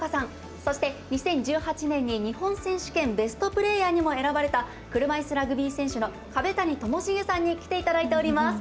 そして、２０１８年に日本選手権ベストプレーヤーにも選ばれた車いすラグビー選手の壁谷さんにきていただいております。